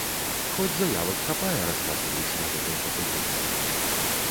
Хоць заявак хапае, расказваюць на гэтым факультэце.